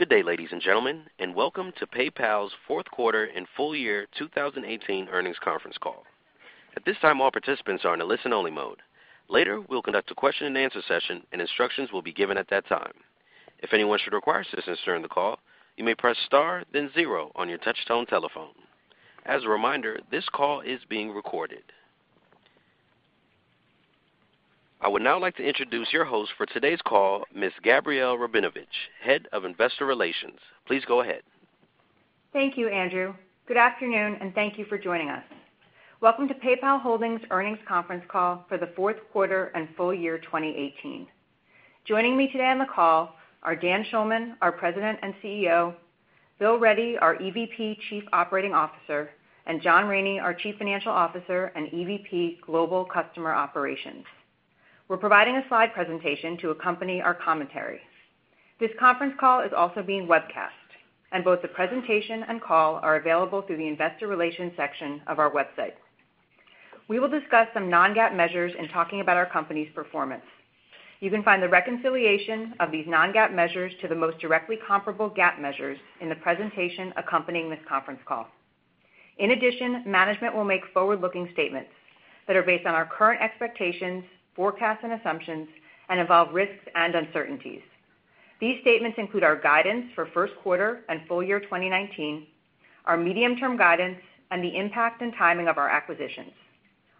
Good day, ladies and gentlemen. Welcome to PayPal's fourth quarter and full-year 2018 earnings conference call. At this time, all participants are in a listen-only mode. Later, we'll conduct a question-and-answer session, and instructions will be given at that time. If anyone should require assistance during the call, you may press star then zero on your touch-tone telephone. As a reminder, this call is being recorded. I would now like to introduce your host for today's call, Ms. Gabrielle Rabinovitch, Head of Investor Relations. Please go ahead. Thank you, Andrew. Good afternoon. Thank you for joining us. Welcome to PayPal Holdings earnings conference call for the fourth quarter and full-year 2018. Joining me today on the call are Dan Schulman, our President and CEO, Bill Ready, our EVP, Chief Operating Officer, and John Rainey, our Chief Financial Officer and EVP, Global Customer Operations. We're providing a slide presentation to accompany our commentary. This conference call is also being webcast. Both the presentation and call are available through the investor relations section of our website. We will discuss some non-GAAP measures in talking about our company's performance. You can find the reconciliation of these non-GAAP measures to the most directly comparable GAAP measures in the presentation accompanying this conference call. Management will make forward-looking statements that are based on our current expectations, forecasts, and assumptions, and involve risks and uncertainties. These statements include our guidance for first quarter and full-year 2019, our medium-term guidance, and the impact and timing of our acquisitions.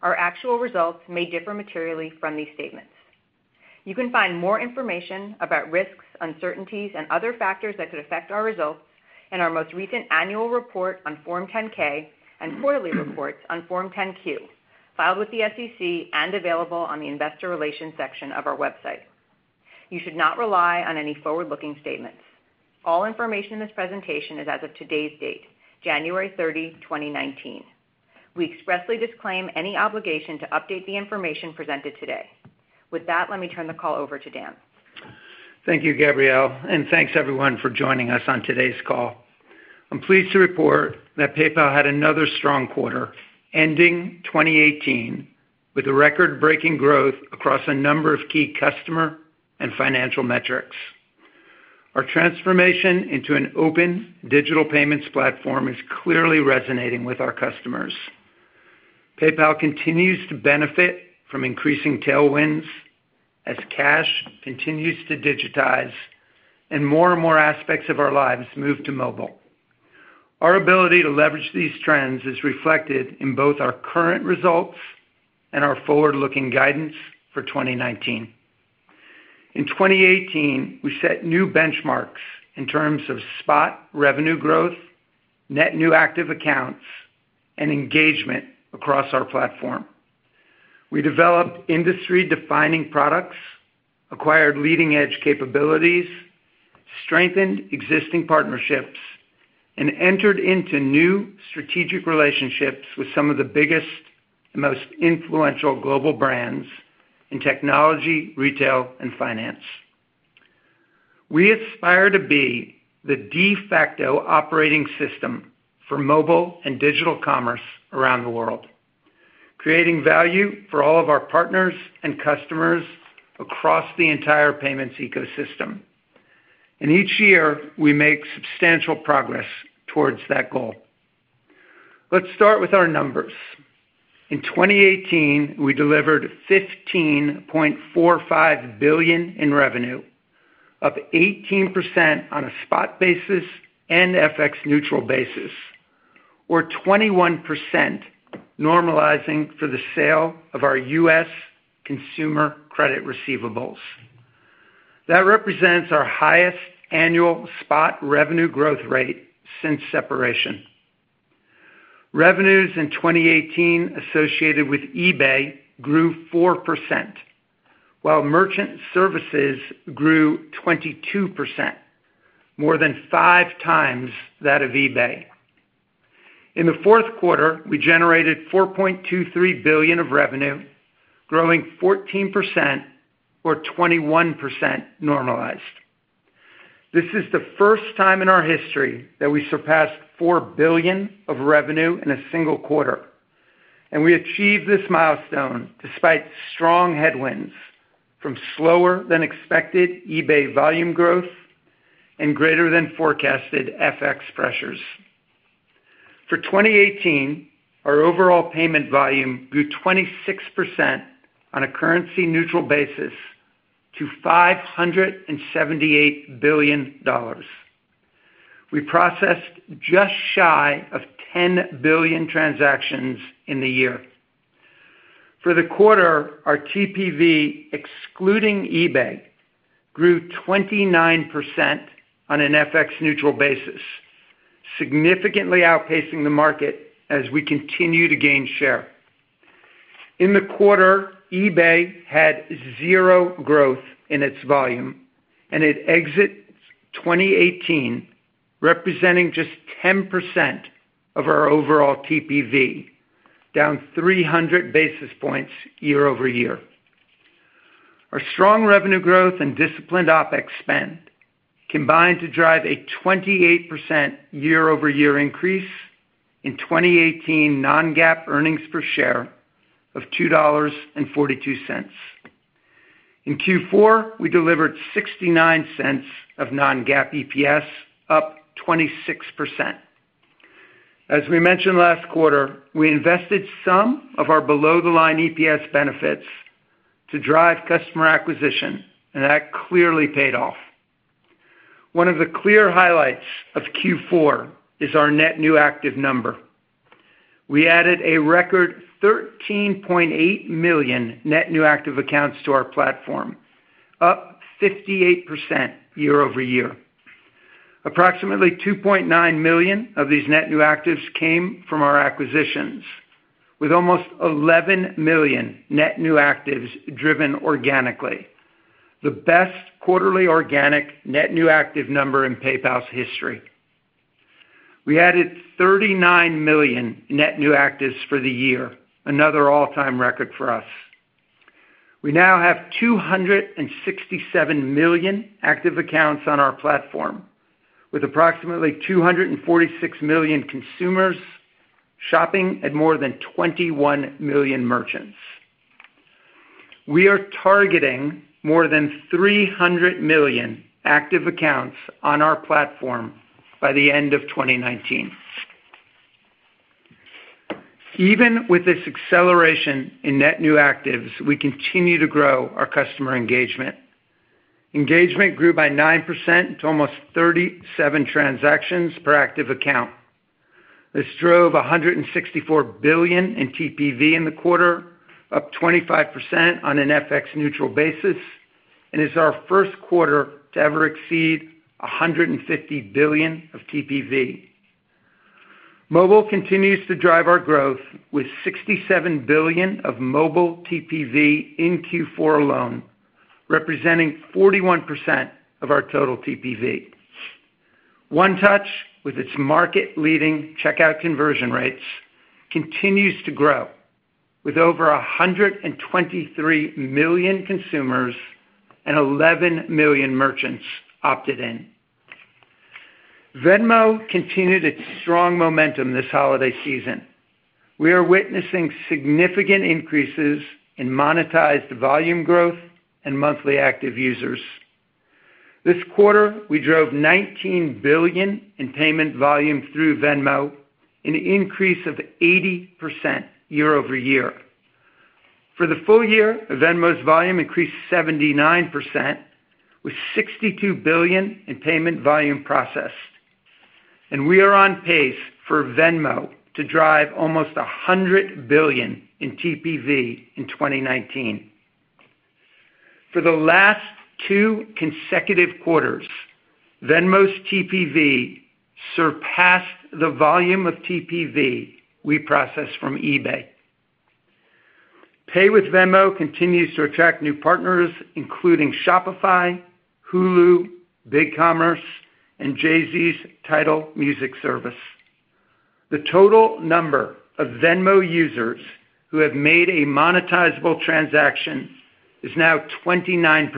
Our actual results may differ materially from these statements. You can find more information about risks, uncertainties, and other factors that could affect our results in our most recent annual report on Form 10-K and quarterly reports on Form 10-Q, filed with the SEC and available on the investor relations section of our website. You should not rely on any forward-looking statements. All information in this presentation is as of today's date, January 30, 2019. We expressly disclaim any obligation to update the information presented today. With that, let me turn the call over to Dan. Thank you, Gabrielle, and thanks everyone for joining us on today's call. I'm pleased to report that PayPal had another strong quarter, ending 2018 with a record-breaking growth across a number of key customer and financial metrics. Our transformation into an open digital payments platform is clearly resonating with our customers. PayPal continues to benefit from increasing tailwinds as cash continues to digitize and more and more aspects of our lives move to mobile. Our ability to leverage these trends is reflected in both our current results and our forward-looking guidance for 2019. In 2018, we set new benchmarks in terms of spot revenue growth, net new active accounts, and engagement across our platform. We developed industry-defining products, acquired leading-edge capabilities, strengthened existing partnerships, and entered into new strategic relationships with some of the biggest and most influential global brands in technology, retail, and finance. We aspire to be the de facto operating system for mobile and digital commerce around the world, creating value for all of our partners and customers across the entire payments ecosystem. Each year, we make substantial progress towards that goal. Let's start with our numbers. In 2018, we delivered $15.45 billion in revenue, up 18% on a spot basis and FX neutral basis, or 21% normalizing for the sale of our U.S. consumer credit receivables. That represents our highest annual spot revenue growth rate since separation. Revenues in 2018 associated with eBay grew 4%, while merchant services grew 22%, more than five times that of eBay. In the fourth quarter, we generated $4.23 billion of revenue, growing 14% or 21% normalized. This is the first time in our history that we surpassed $4 billion of revenue in a single quarter. We achieved this milestone despite strong headwinds from slower than expected eBay volume growth and greater than forecasted FX pressures. For 2018, our overall payment volume grew 26% on a currency neutral basis to $578 billion. We processed just shy of 10 billion transactions in the year. For the quarter, our TPV, excluding eBay, grew 29% on an FX neutral basis, significantly outpacing the market as we continue to gain share. In the quarter, eBay had zero growth in its volume, and it exits 2018 representing just 10% of our overall TPV, down 300 basis points year-over-year. Our strong revenue growth and disciplined OpEx spend combined to drive a 28% year-over-year increase in 2018 non-GAAP earnings per share of $2.42. In Q4, we delivered $0.69 of non-GAAP EPS, up 26%. As we mentioned last quarter, we invested some of our below-the-line EPS benefits to drive customer acquisition. That clearly paid off. One of the clear highlights of Q4 is our net new active number. We added a record 13.8 million net new active accounts to our platform, up 58% year-over-year. Approximately 2.9 million of these net new actives came from our acquisitions, with almost 11 million net new actives driven organically, the best quarterly organic net new active number in PayPal's history. We added 39 million net new actives for the year, another all-time record for us. We now have 267 million active accounts on our platform, with approximately 246 million consumers shopping at more than 21 million merchants. We are targeting more than 300 million active accounts on our platform by the end of 2019. Even with this acceleration in net new actives, we continue to grow our customer engagement. Engagement grew by 9% to almost 37 transactions per active account. This drove 164 billion in TPV in the quarter, up 25% on an FX-neutral basis, and is our first quarter to ever exceed 150 billion of TPV. Mobile continues to drive our growth with 67 billion of mobile TPV in Q4 alone, representing 41% of our total TPV. One Touch, with its market-leading checkout conversion rates, continues to grow, with over 123 million consumers and 11 million merchants opted in. Venmo continued its strong momentum this holiday season. We are witnessing significant increases in monetized volume growth and monthly active users. This quarter, we drove $19 billion in payment volume through Venmo, an increase of 80% year-over-year. For the full year, Venmo's volume increased 79%, with $62 billion in payment volume processed, and we are on pace for Venmo to drive almost $100 billion in TPV in 2019. For the last two consecutive quarters, Venmo's TPV surpassed the volume of TPV we processed from eBay. Pay with Venmo continues to attract new partners, including Shopify, Hulu, BigCommerce, and Jay-Z's TIDAL music service. The total number of Venmo users who have made a monetizable transaction is now 29%,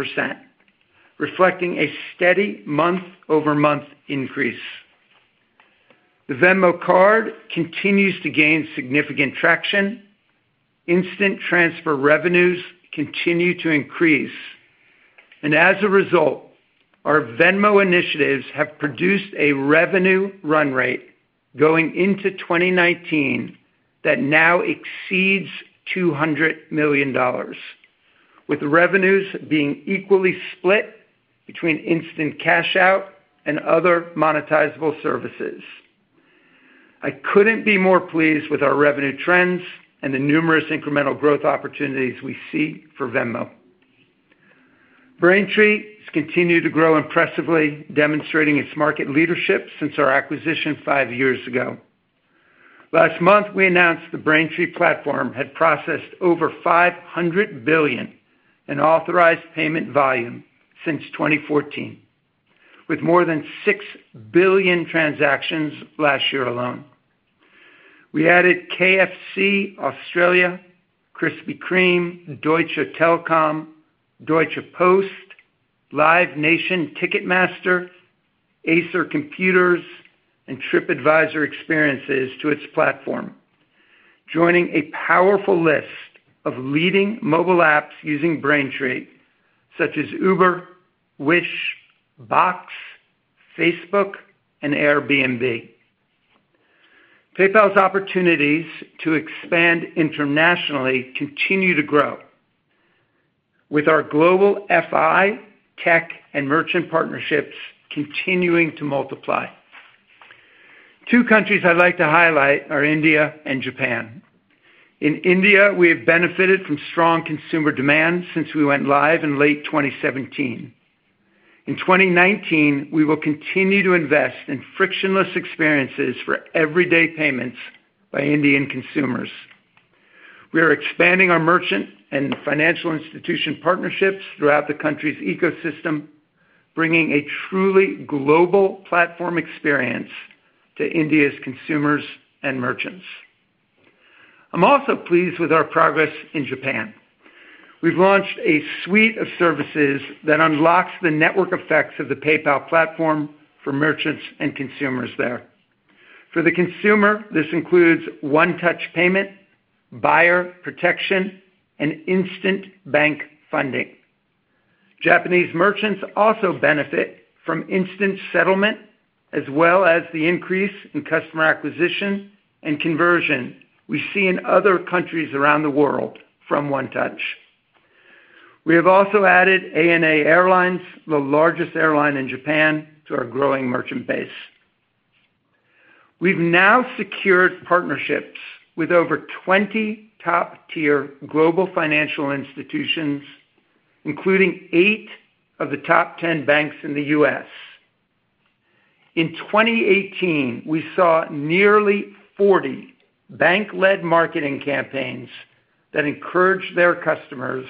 reflecting a steady month-over-month increase. The Venmo Card continues to gain significant traction. Instant transfer revenues continue to increase. As a result, our Venmo initiatives have produced a revenue run rate going into 2019 that now exceeds $200 million, with revenues being equally split between Instant Cash Out and other monetizable services. I couldn't be more pleased with our revenue trends and the numerous incremental growth opportunities we see for Venmo. Braintree has continued to grow impressively, demonstrating its market leadership since our acquisition five years ago. Last month, we announced the Braintree platform had processed over $500 billion in authorized payment volume since 2014, with more than 6 billion transactions last year alone. We added KFC Australia, Krispy Kreme, Deutsche Telekom, Deutsche Post, Live Nation, Ticketmaster, Acer Computers, and Tripadvisor Experiences to its platform, joining a powerful list of leading mobile apps using Braintree, such as Uber, Wish, Box, Facebook, and Airbnb. PayPal's opportunities to expand internationally continue to grow, with our global FI, tech, and merchant partnerships continuing to multiply. Two countries I'd like to highlight are India and Japan. In India, we have benefited from strong consumer demand since we went live in late 2017. In 2019, we will continue to invest in frictionless experiences for everyday payments by Indian consumers. We are expanding our merchant and financial institution partnerships throughout the country's ecosystem, bringing a truly global platform experience to India's consumers and merchants. I'm also pleased with our progress in Japan. We've launched a suite of services that unlocks the network effects of the PayPal platform for merchants and consumers there. For the consumer, this includes One Touch payment, buyer protection, and instant bank funding. Japanese merchants also benefit from instant settlement, as well as the increase in customer acquisition and conversion we see in other countries around the world from One Touch. We have also added ANA Airlines, the largest airline in Japan, to our growing merchant base. We've now secured partnerships with over 20 top-tier global financial institutions, including 8 of the top 10 banks in the U.S. In 2018, we saw nearly 40 bank-led marketing campaigns that encouraged their customers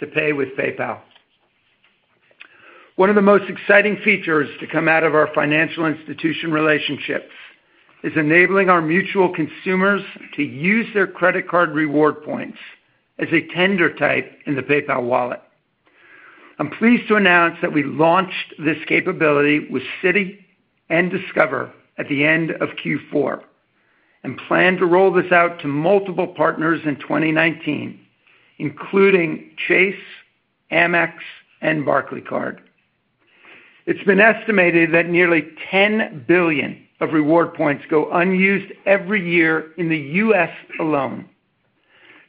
to pay with PayPal. One of the most exciting features to come out of our financial institution relationships is enabling our mutual consumers to use their credit card reward points as a tender type in the PayPal wallet. I'm pleased to announce that we launched this capability with Citi and Discover at the end of Q4 and plan to roll this out to multiple partners in 2019, including Chase, Amex, and Barclaycard. It's been estimated that nearly $10 billion of reward points go unused every year in the U.S. alone.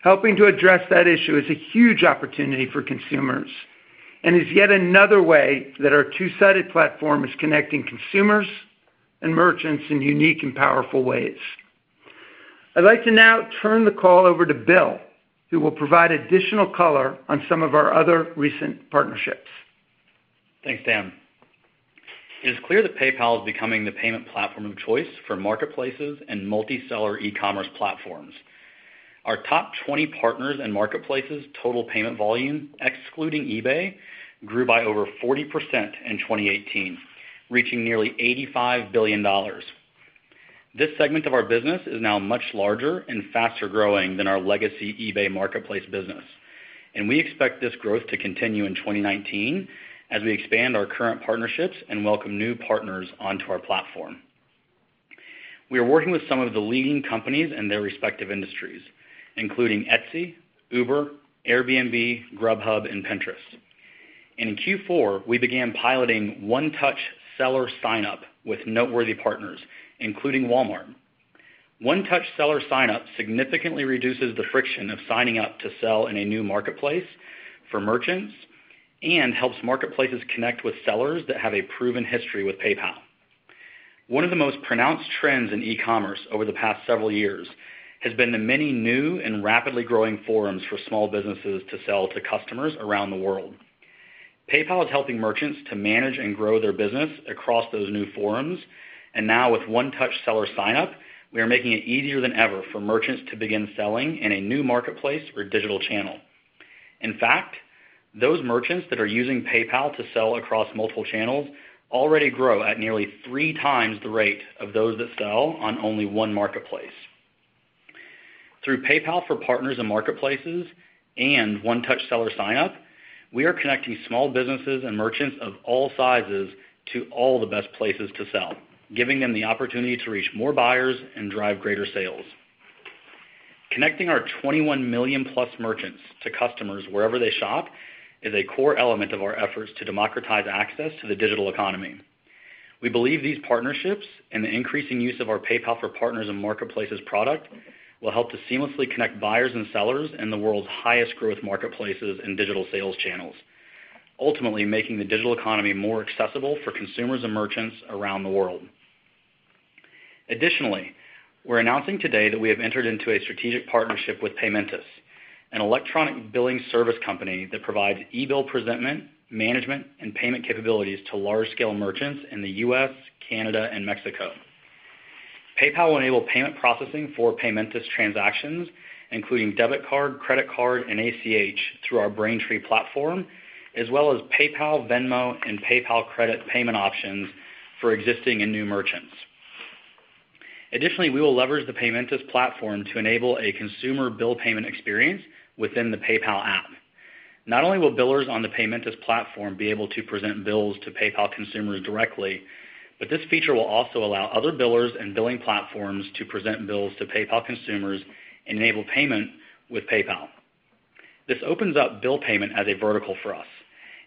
Helping to address that issue is a huge opportunity for consumers and is yet another way that our two-sided platform is connecting consumers and merchants in unique and powerful ways. I'd like to now turn the call over to Bill, who will provide additional color on some of our other recent partnerships. Thanks, Dan. It is clear that PayPal is becoming the payment platform of choice for marketplaces and multi-seller e-commerce platforms. Our top 20 partners and marketplaces total payment volume, excluding eBay, grew by over 40% in 2018, reaching nearly $85 billion. This segment of our business is now much larger and faster-growing than our legacy eBay marketplace business, and we expect this growth to continue in 2019 as we expand our current partnerships and welcome new partners onto our platform. We are working with some of the leading companies in their respective industries, including Etsy, Uber, Airbnb, Grubhub, and Pinterest. In Q4, we began piloting One Touch Seller Sign-Up with noteworthy partners, including Walmart. One Touch Seller Sign-Up significantly reduces the friction of signing up to sell in a new marketplace for merchants and helps marketplaces connect with sellers that have a proven history with PayPal. One of the most pronounced trends in e-commerce over the past several years has been the many new and rapidly growing forums for small businesses to sell to customers around the world. PayPal is helping merchants to manage and grow their business across those new forums. Now with One Touch Seller Sign-Up, we are making it easier than ever for merchants to begin selling in a new marketplace or digital channel. In fact, those merchants that are using PayPal to sell across multiple channels already grow at nearly three times the rate of those that sell on only one marketplace. Through PayPal for Partners and Marketplaces and One Touch Seller Sign-Up, we are connecting small businesses and merchants of all sizes to all the best places to sell, giving them the opportunity to reach more buyers and drive greater sales. Connecting our 21 million-plus merchants to customers wherever they shop is a core element of our efforts to democratize access to the digital economy. We believe these partnerships and the increasing use of our PayPal for Partners and Marketplaces product will help to seamlessly connect buyers and sellers in the world's highest growth marketplaces and digital sales channels, ultimately making the digital economy more accessible for consumers and merchants around the world. Additionally, we're announcing today that we have entered into a strategic partnership with Paymentus, an electronic billing service company that provides e-bill presentment, management, and payment capabilities to large-scale merchants in the U.S., Canada, and Mexico. PayPal will enable payment processing for Paymentus transactions, including debit card, credit card, and ACH through our Braintree platform, as well as PayPal, Venmo, and PayPal Credit payment options for existing and new merchants. Additionally, we will leverage the Paymentus platform to enable a consumer bill payment experience within the PayPal app. Not only will billers on the Paymentus platform be able to present bills to PayPal consumers directly, but this feature will also allow other billers and billing platforms to present bills to PayPal consumers and enable payment with PayPal. This opens up bill payment as a vertical for us,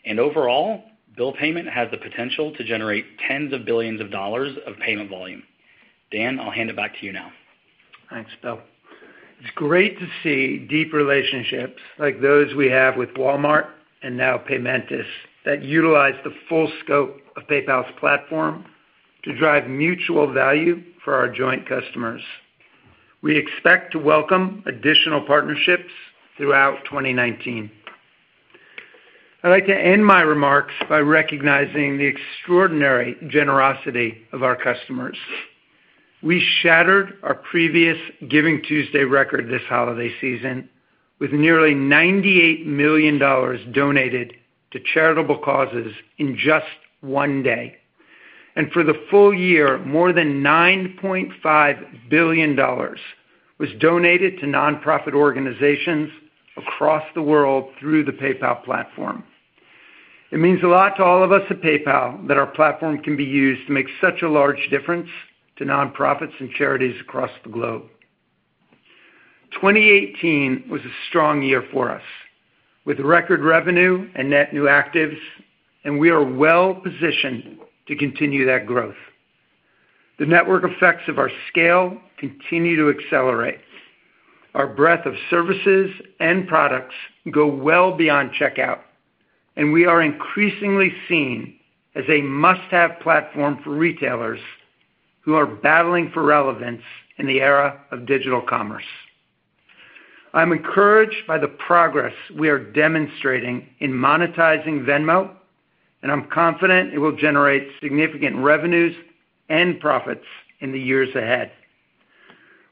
and overall, bill payment has the potential to generate tens of billions of dollars of payment volume. Dan, I'll hand it back to you now. Thanks, Bill. It's great to see deep relationships like those we have with Walmart and now Paymentus that utilize the full scope of PayPal's platform to drive mutual value for our joint customers. We expect to welcome additional partnerships throughout 2019. I'd like to end my remarks by recognizing the extraordinary generosity of our customers. We shattered our previous GivingTuesday record this holiday season with nearly $98 million donated to charitable causes in just one day. For the full year, more than $9.5 billion was donated to nonprofit organizations across the world through the PayPal platform. It means a lot to all of us at PayPal that our platform can be used to make such a large difference to nonprofits and charities across the globe. 2018 was a strong year for us, with record revenue and net new actives, and we are well-positioned to continue that growth. The network effects of our scale continue to accelerate. Our breadth of services and products go well beyond checkout. We are increasingly seen as a must-have platform for retailers who are battling for relevance in the era of digital commerce. I'm encouraged by the progress we are demonstrating in monetizing Venmo. I'm confident it will generate significant revenues and profits in the years ahead.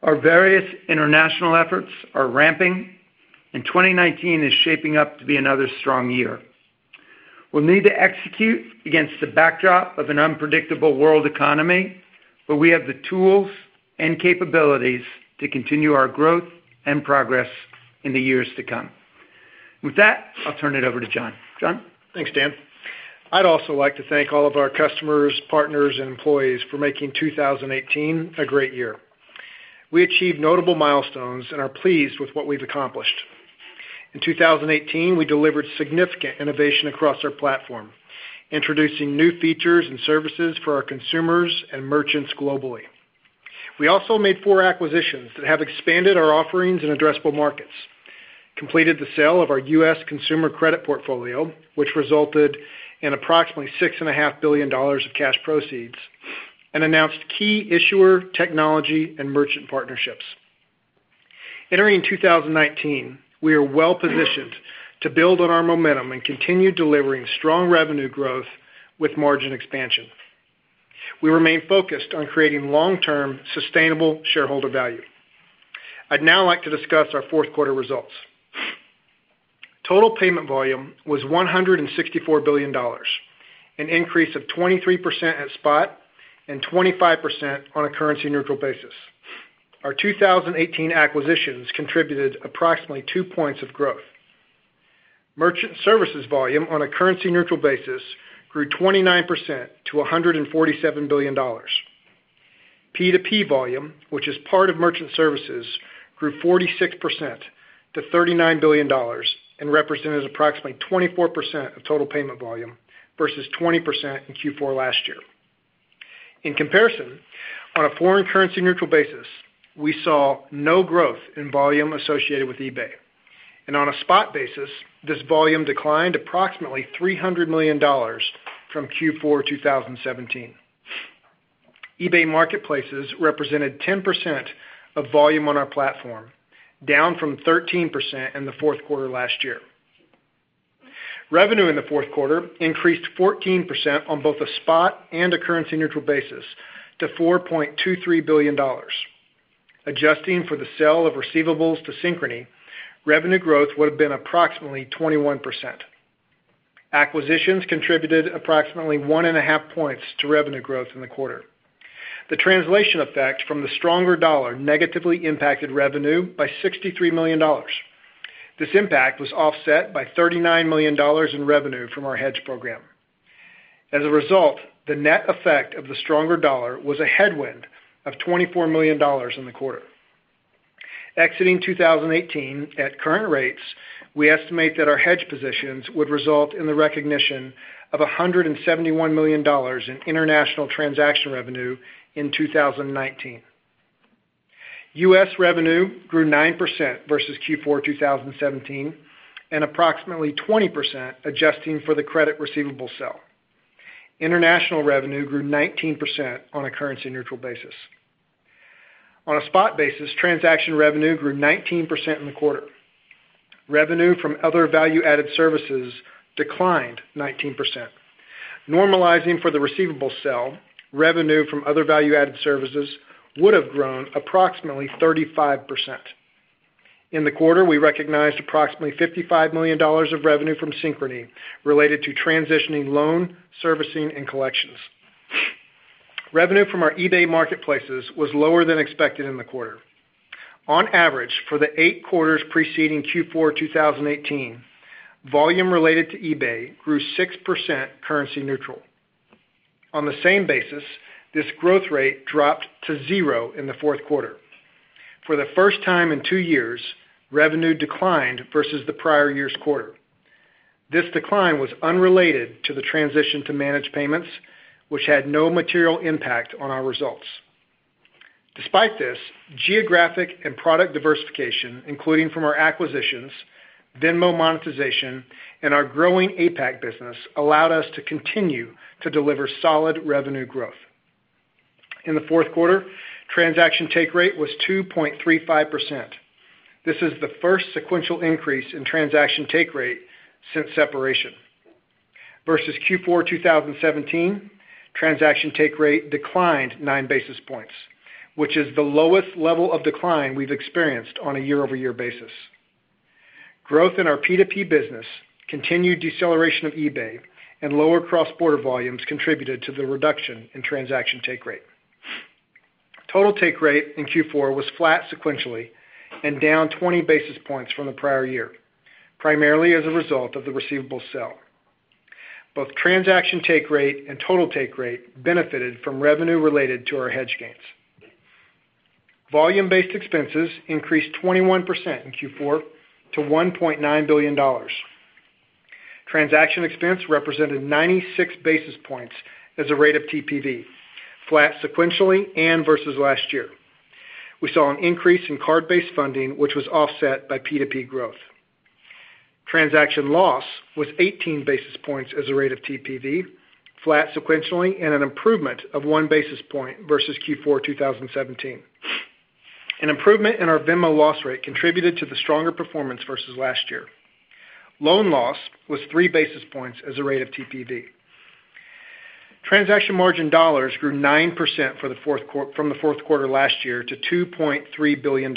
Our various international efforts are ramping. 2019 is shaping up to be another strong year. We'll need to execute against the backdrop of an unpredictable world economy, but we have the tools and capabilities to continue our growth and progress in the years to come. With that, I'll turn it over to John. John? Thanks, Dan. I'd also like to thank all of our customers, partners, and employees for making 2018 a great year. We achieved notable milestones and are pleased with what we've accomplished. In 2018, we delivered significant innovation across our platform, introducing new features and services for our consumers and merchants globally. We also made four acquisitions that have expanded our offerings in addressable markets, completed the sale of our U.S. consumer credit portfolio, which resulted in approximately $6.5 billion of cash proceeds. Announced key issuer, technology, and merchant partnerships. Entering 2019, we are well-positioned to build on our momentum and continue delivering strong revenue growth with margin expansion. We remain focused on creating long-term, sustainable shareholder value. I'd now like to discuss our fourth quarter results. Total payment volume was $164 billion, an increase of 23% at spot, 25% on a currency neutral basis. Our 2018 acquisitions contributed approximately two points of growth. Merchant services volume, on a currency neutral basis, grew 29% to $147 billion. P2P volume, which is part of merchant services, grew 46% to $39 billion and represented approximately 24% of total payment volume versus 20% in Q4 last year. In comparison, on a foreign currency neutral basis, we saw no growth in volume associated with eBay, and on a spot basis, this volume declined approximately $300 million from Q4 2017. eBay marketplaces represented 10% of volume on our platform, down from 13% in the fourth quarter last year. Revenue in the fourth quarter increased 14% on both a spot and a currency neutral basis to $4.23 billion. Adjusting for the sale of receivables to Synchrony, revenue growth would have been approximately 21%. Acquisitions contributed approximately one and a half points to revenue growth in the quarter. The translation effect from the stronger dollar negatively impacted revenue by $63 million. This impact was offset by $39 million in revenue from our hedge program. As a result, the net effect of the stronger dollar was a headwind of $24 million in the quarter. Exiting 2018 at current rates, we estimate that our hedge positions would result in the recognition of $171 million in international transaction revenue in 2019. U.S. revenue grew 9% versus Q4 2017, and approximately 20% adjusting for the credit receivable sale. International revenue grew 19% on a currency neutral basis. On a spot basis, transaction revenue grew 19% in the quarter. Revenue from other value-added services declined 19%. Normalizing for the receivable sale, revenue from other value-added services would've grown approximately 35%. In the quarter, we recognized approximately $55 million of revenue from Synchrony related to transitioning loan servicing and collections. Revenue from our eBay marketplaces was lower than expected in the quarter. On average, for the eight quarters preceding Q4 2018, volume related to eBay grew 6% currency neutral. On the same basis, this growth rate dropped to 0 in the fourth quarter. For the first time in two years, revenue declined versus the prior year's quarter. This decline was unrelated to the transition to managed payments, which had no material impact on our results. Despite this, geographic and product diversification, including from our acquisitions, Venmo monetization, and our growing APAC business, allowed us to continue to deliver solid revenue growth. In the fourth quarter, transaction take rate was 2.35%. This is the first sequential increase in transaction take rate since separation. Versus Q4 2017, transaction take rate declined nine basis points, which is the lowest level of decline we've experienced on a year-over-year basis. Growth in our P2P business, continued deceleration of eBay, and lower cross-border volumes contributed to the reduction in transaction take rate. Total take rate in Q4 was flat sequentially and down 20 basis points from the prior year, primarily as a result of the receivable sale. Both transaction take rate and total take rate benefited from revenue related to our hedge gains. Volume-based expenses increased 21% in Q4 to $1.9 billion. Transaction expense represented 96 basis points as a rate of TPV, flat sequentially and versus last year. We saw an increase in card-based funding, which was offset by P2P growth. Transaction loss was 18 basis points as a rate of TPV, flat sequentially, and an improvement of one basis point versus Q4 2017. An improvement in our Venmo loss rate contributed to the stronger performance versus last year. Loan loss was three basis points as a rate of TPV. Transaction margin dollars grew 9% from the fourth quarter last year to $2.3 billion.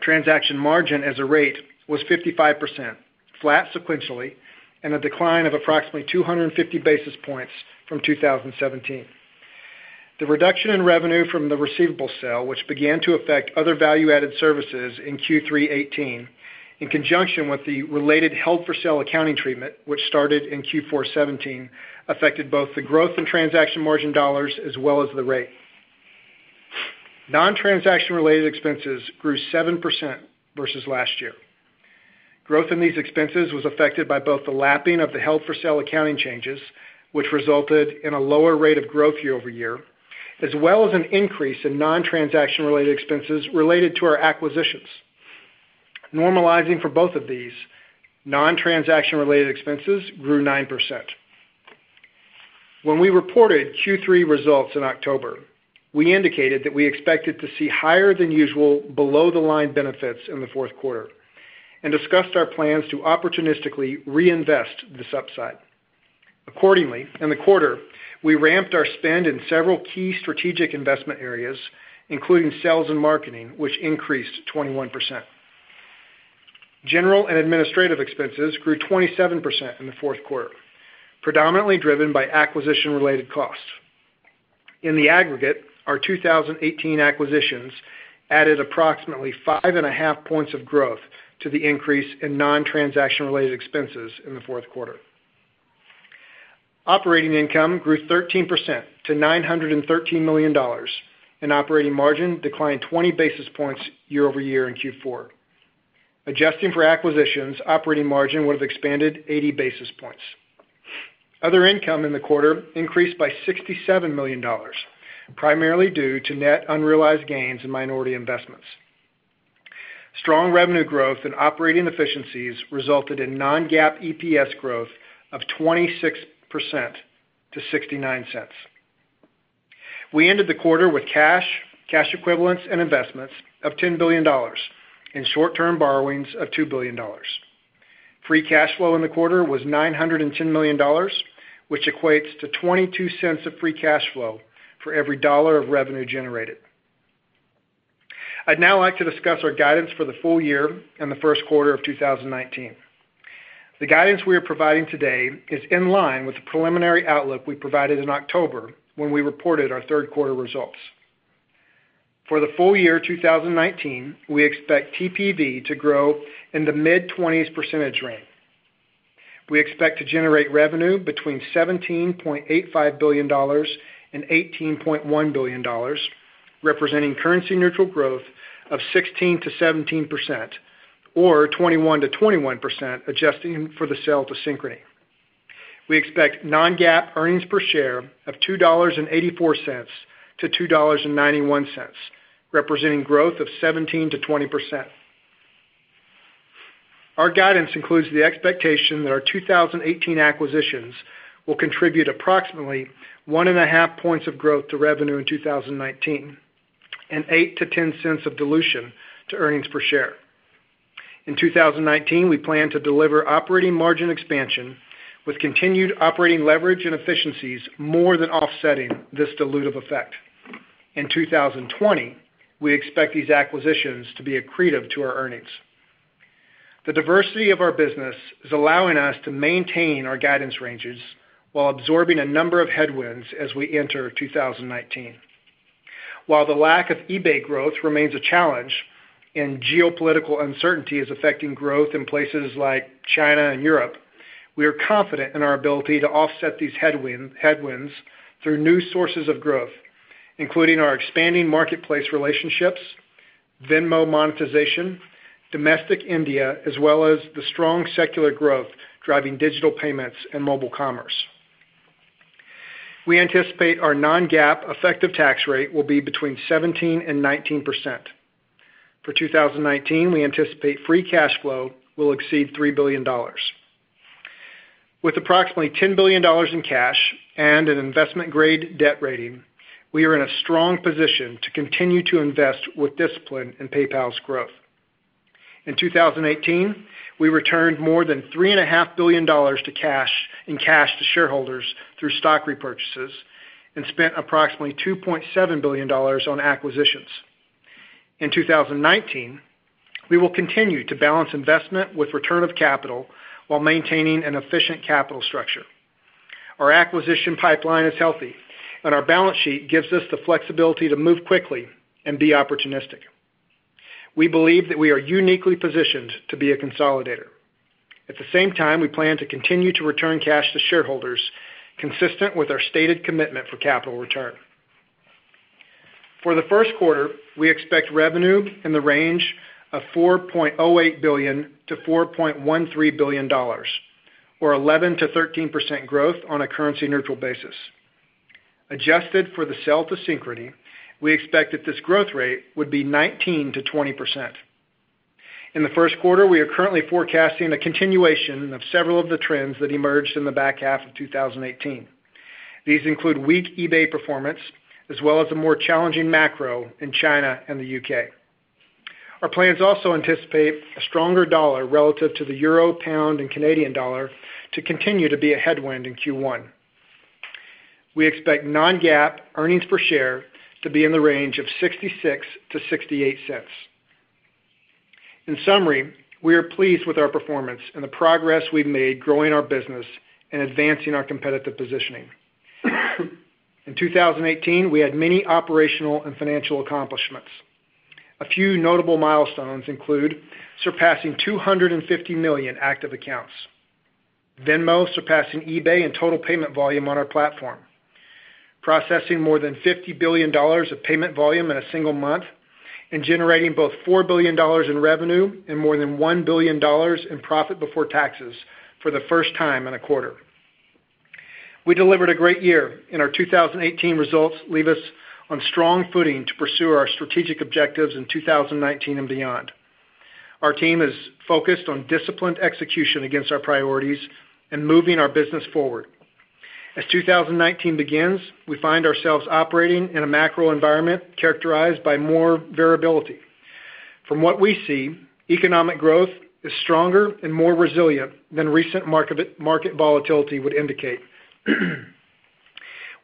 Transaction margin as a rate was 55%, flat sequentially, and a decline of approximately 250 basis points from 2017. The reduction in revenue from the receivable sale, which began to affect other value-added services in Q3 2018, in conjunction with the related held-for-sale accounting treatment, which started in Q4 2017, affected both the growth in transaction margin dollars as well as the rate. Non-transaction related expenses grew 7% versus last year. Growth in these expenses was affected by both the lapping of the held-for-sale accounting changes, which resulted in a lower rate of growth year-over-year, as well as an increase in non-transaction related expenses related to our acquisitions. Normalizing for both of these, non-transaction related expenses grew 9%. When we reported Q3 results in October, we indicated that we expected to see higher than usual below-the-line benefits in the fourth quarter, and discussed our plans to opportunistically reinvest this upside. Accordingly, in the quarter, we ramped our spend in several key strategic investment areas, including sales and marketing, which increased 21%. General and administrative expenses grew 27% in the fourth quarter, predominantly driven by acquisition-related costs. In the aggregate, our 2018 acquisitions added approximately five and a half points of growth to the increase in non-transaction related expenses in the fourth quarter. Operating income grew 13% to $913 million, and operating margin declined 20 basis points year-over-year in Q4. Adjusting for acquisitions, operating margin would've expanded 80 basis points. Other income in the quarter increased by $67 million, primarily due to net unrealized gains in minority investments. Strong revenue growth and operating efficiencies resulted in non-GAAP EPS growth of 26% to $0.69. We ended the quarter with cash equivalents, and investments of $10 billion, and short-term borrowings of $2 billion. Free cash flow in the quarter was $910 million, which equates to $0.22 of free cash flow for every dollar of revenue generated. I'd now like to discuss our guidance for the full year and the first quarter of 2019. The guidance we are providing today is in line with the preliminary outlook we provided in October when we reported our third quarter results. For the full-year 2019, we expect TPV to grow in the mid-20s percentage range. We expect to generate revenue between $17.85 billion-$18.1 billion, representing currency-neutral growth of 16%-17%, or 21%-21% adjusting for the sale to Synchrony. We expect non-GAAP earnings per share of $2.84-$2.91, representing growth of 17%-20%. Our guidance includes the expectation that our 2018 acquisitions will contribute approximately one and a half points of growth to revenue in 2019, and $0.08-$0.10 of dilution to earnings per share. In 2019, we plan to deliver operating margin expansion with continued operating leverage and efficiencies more than offsetting this dilutive effect. In 2020, we expect these acquisitions to be accretive to our earnings. The diversity of our business is allowing us to maintain our guidance ranges while absorbing a number of headwinds as we enter 2019. While the lack of eBay growth remains a challenge and geopolitical uncertainty is affecting growth in places like China and Europe, we are confident in our ability to offset these headwinds through new sources of growth, including our expanding marketplace relationships, Venmo monetization, domestic India, as well as the strong secular growth driving digital payments and mobile commerce. We anticipate our non-GAAP effective tax rate will be between 17% and 19%. For 2019, we anticipate free cash flow will exceed $3 billion. With approximately $10 billion in cash and an investment-grade debt rating, we are in a strong position to continue to invest with discipline in PayPal's growth. In 2018, we returned more than three and a half billion dollars in cash to shareholders through stock repurchases and spent approximately $2.7 billion on acquisitions. In 2019, we will continue to balance investment with return of capital while maintaining an efficient capital structure. Our acquisition pipeline is healthy, and our balance sheet gives us the flexibility to move quickly and be opportunistic. We believe that we are uniquely positioned to be a consolidator. At the same time, we plan to continue to return cash to shareholders, consistent with our stated commitment for capital return. For the first quarter, we expect revenue in the range of $4.08 billion-$4.13 billion, or 11%-13% growth on a currency-neutral basis. Adjusted for the sale to Synchrony, we expect that this growth rate would be 19%-20%. In the first quarter, we are currently forecasting a continuation of several of the trends that emerged in the back half of 2018. These include weak eBay performance, as well as a more challenging macro in China and the U.K. Our plans also anticipate a stronger dollar relative to the euro, pound, and Canadian dollar to continue to be a headwind in Q1. We expect non-GAAP earnings per share to be in the range of $0.66-$0.68. In summary, we are pleased with our performance and the progress we've made growing our business and advancing our competitive positioning. In 2018, we had many operational and financial accomplishments. A few notable milestones include surpassing 250 million active accounts, Venmo surpassing eBay in total payment volume on our platform, processing more than $50 billion of payment volume in a single month, and generating both $4 billion in revenue and more than $1 billion in profit before taxes for the first time in a quarter. We delivered a great year, and our 2018 results leave us on strong footing to pursue our strategic objectives in 2019 and beyond. Our team is focused on disciplined execution against our priorities and moving our business forward. As 2019 begins, we find ourselves operating in a macro environment characterized by more variability. From what we see, economic growth is stronger and more resilient than recent market volatility would indicate.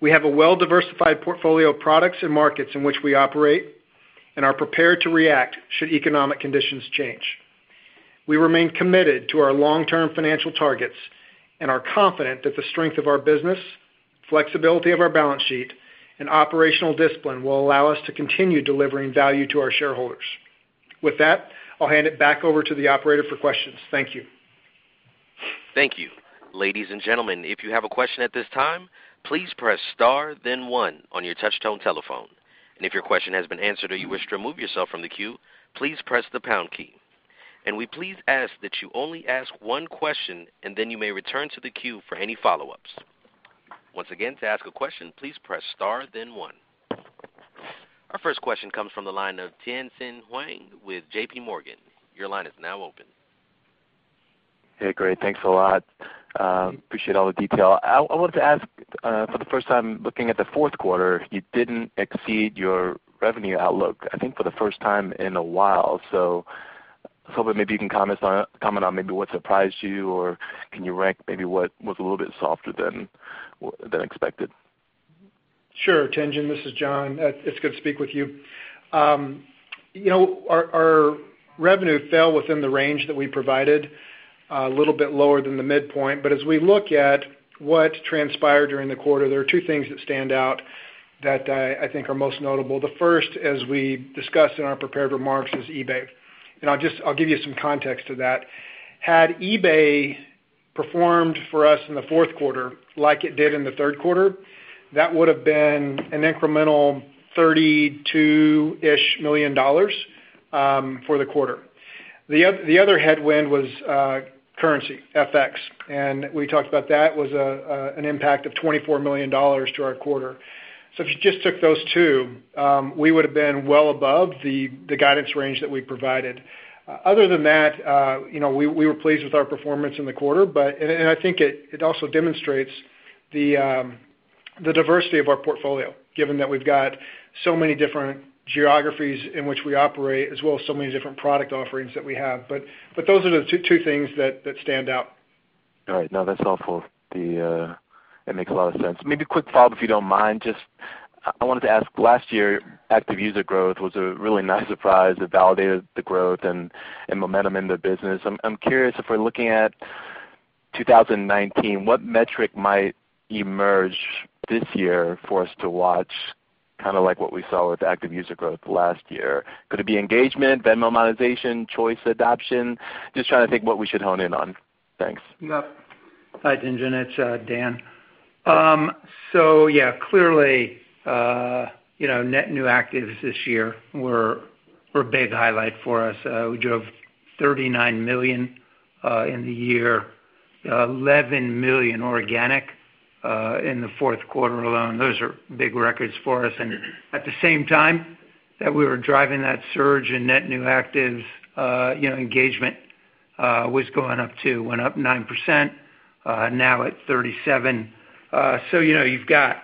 We have a well-diversified portfolio of products and markets in which we operate and are prepared to react should economic conditions change. We remain committed to our long-term financial targets and are confident that the strength of our business, flexibility of our balance sheet, and operational discipline will allow us to continue delivering value to our shareholders. With that, I'll hand it back over to the operator for questions. Thank you. Thank you. Ladies and gentlemen, if you have a question at this time, please press star then one on your touch tone telephone. If your question has been answered or you wish to remove yourself from the queue, please press the pound key. We please ask that you only ask one question and then you may return to the queue for any follow-ups. Once again, to ask a question, please press star then one. Our first question comes from the line of Tien-Tsin Huang with JPMorgan. Your line is now open. Hey, great. Thanks a lot. Appreciate all the detail. I wanted to ask, for the first time looking at the fourth quarter, you didn't exceed your revenue outlook, I think for the first time in a while. I was hoping maybe you can comment on maybe what surprised you, or can you rank maybe what was a little bit softer than expected? Sure, Tien-Tsin, this is John. It's good to speak with you. Our revenue fell within the range that we provided, a little bit lower than the midpoint. As we look at what transpired during the quarter, there are two things that stand out that I think are most notable. The first, as we discussed in our prepared remarks, is eBay. I'll give you some context to that. Had eBay performed for us in the fourth quarter like it did in the third quarter, that would've been an incremental $32-ish million for the quarter. The other headwind was currency, FX, and we talked about that, was an impact of $24 million to our quarter. If you just took those two, we would've been well above the guidance range that we provided. Other than that, we were pleased with our performance in the quarter, and I think it also demonstrates the diversity of our portfolio, given that we've got so many different geographies in which we operate, as well as so many different product offerings that we have. Those are the two things that stand out. All right. No, that's helpful. That makes a lot of sense. Maybe a quick follow-up, if you don't mind. I wanted to ask, last year, active user growth was a really nice surprise. It validated the growth and momentum in the business. I'm curious if we're looking at 2019, what metric might emerge this year for us to watch, kind of like what we saw with active user growth last year? Could it be engagement, Venmo monetization, choice adoption? Just trying to think what we should hone in on. Thanks. Yep. Hi, Tien-Tsin, it's Dan. Yeah, clearly net new actives this year were a big highlight for us. We drove $39 million in the year, $11 million organic in the fourth quarter alone. Those are big records for us. At the same time that we were driving that surge in net new actives, engagement was going up too. Went up 9%, now at 37%. You've got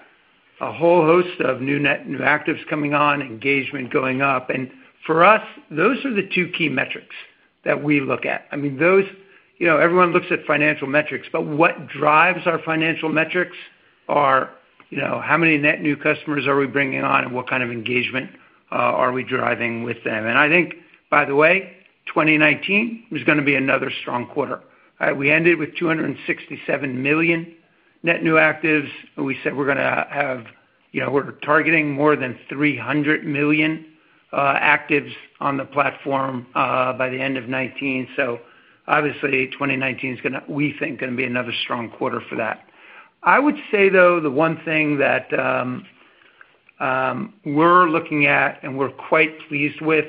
a whole host of new net new actives coming on, engagement going up, and for us, those are the two key metrics. That we look at. I mean, everyone looks at financial metrics, but what drives our financial metrics are how many net new customers are we bringing on, and what kind of engagement are we driving with them? I think, by the way, 2019 was going to be another strong quarter. We ended with $267 million net new actives. We said we're targeting more than $300 million actives on the platform by the end of 2019. Obviously 2019 is, we think, going to be another strong quarter for that. I would say, though, the one thing that we're looking at and we're quite pleased with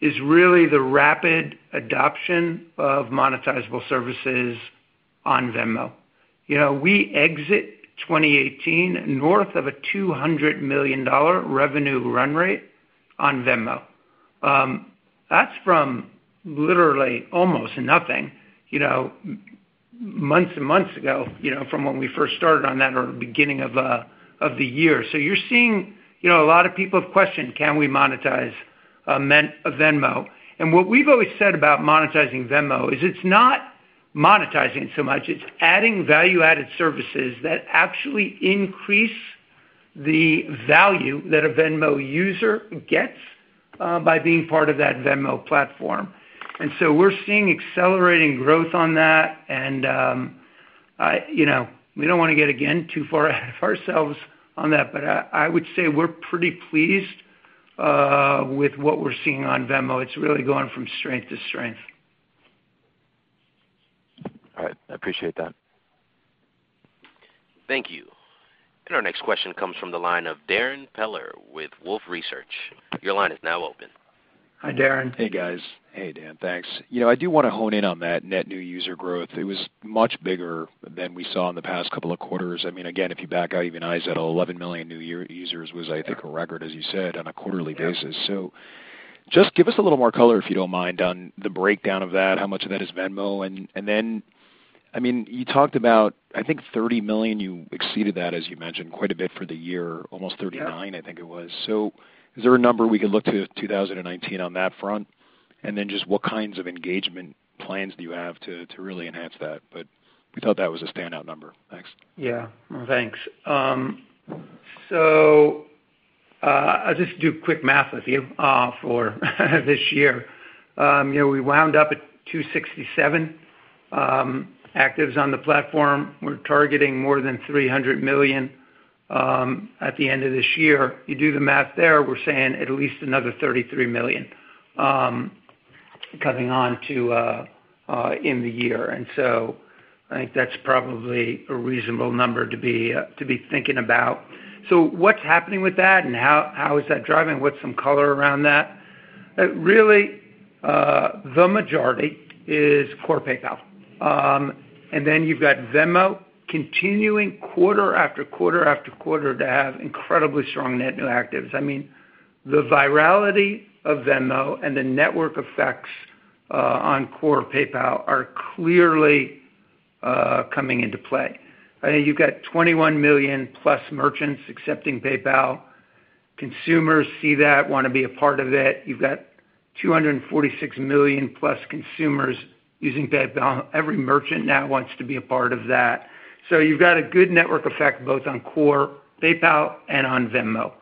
is really the rapid adoption of monetizable services on Venmo. We exit 2018 north of a $200 million revenue run rate on Venmo. That's from literally almost nothing, months and months ago from when we first started on that or the beginning of the year. A lot of people have questioned, can we monetize Venmo? What we've always said about monetizing Venmo is it's not monetizing so much, it's adding value-added services that actually increase the value that a Venmo user gets by being part of that Venmo platform. We're seeing accelerating growth on that, and we don't want to get, again, too far ahead of ourselves on that, but I would say we're pretty pleased with what we're seeing on Venmo. It's really going from strength to strength. All right. I appreciate that. Thank you. Our next question comes from the line of Darrin Peller with Wolfe Research. Your line is now open. Hi, Darrin. Hey, guys. Hey, Dan. Thanks. I do want to hone in on that net new user growth. It was much bigger than we saw in the past couple of quarters. Again, if you back out even eyes at 11 million new users was, I think, a record, as you said, on a quarterly basis. Just give us a little more color, if you don't mind, on the breakdown of that, how much of that is Venmo, then you talked about, I think, 30 million. You exceeded that, as you mentioned, quite a bit for the year, almost 39, I think it was. Is there a number we could look to in 2019 on that front? Just what kinds of engagement plans do you have to really enhance that? We thought that was a standout number. Thanks. Yeah. Thanks. I'll just do quick math with you for this year. We wound up at 267 actives on the platform. We're targeting more than 300 million at the end of this year. You do the math there, we're saying at least another 33 million coming on in the year. I think that's probably a reasonable number to be thinking about. What's happening with that and how is that driving? What's some color around that? Really, the majority is core PayPal. Then you've got Venmo continuing quarter after quarter after quarter to have incredibly strong net new actives. The virality of Venmo and the network effects on core PayPal are clearly coming into play. You've got 21 million plus merchants accepting PayPal. Consumers see that, want to be a part of it. You've got 246 million plus consumers using PayPal. Every merchant now wants to be a part of that. You've got a good network effect both on core PayPal and on Venmo.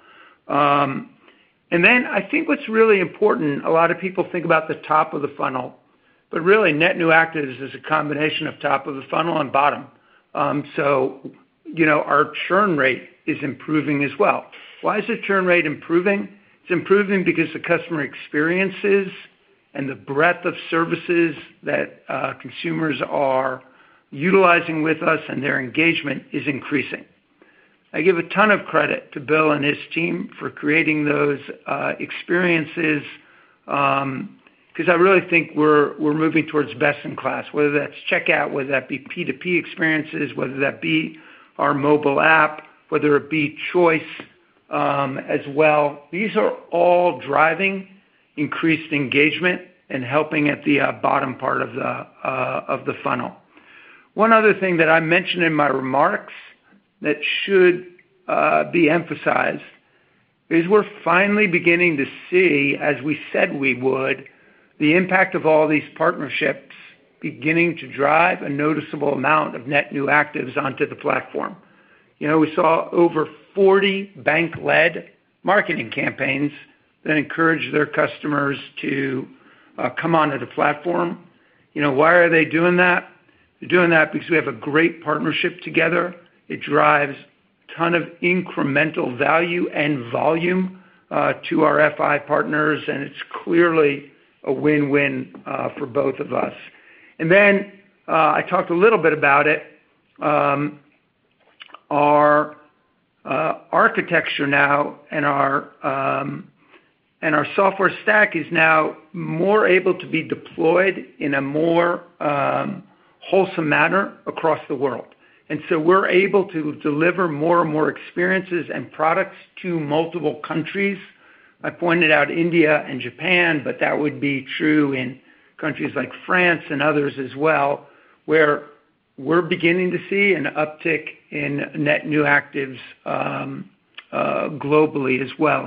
Then I think what's really important, a lot of people think about the top of the funnel, but really net new actives is a combination of top of the funnel and bottom. Our churn rate is improving as well. Why is the churn rate improving? It's improving because the customer experiences and the breadth of services that consumers are utilizing with us and their engagement is increasing. I give a ton of credit to Bill and his team for creating those experiences, because I really think we're moving towards best in class, whether that's checkout, whether that be P2P experiences, whether that be our mobile app, whether it be choice as well. These are all driving increased engagement and helping at the bottom part of the funnel. One other thing that I mentioned in my remarks that should be emphasized is we're finally beginning to see, as we said we would, the impact of all these partnerships beginning to drive a noticeable amount of net new actives onto the platform. We saw over 40 bank-led marketing campaigns that encourage their customers to come onto the platform. Why are they doing that? They're doing that because we have a great partnership together. It drives a ton of incremental value and volume to our FI partners, and it's clearly a win-win for both of us. I talked a little bit about it. Our architecture now and our software stack is now more able to be deployed in a more wholesome manner across the world. We're able to deliver more and more experiences and products to multiple countries. I pointed out India and Japan. That would be true in countries like France and others as well, where we're beginning to see an uptick in net new actives globally as well.